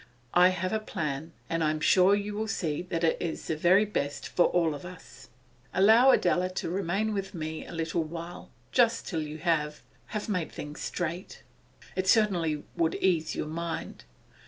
I have a plan, and I am sure you will see that it is the very best for all of us. Allow Adela to remain with me for a little while, just till you have have made things straight. It certainly would ease your mind.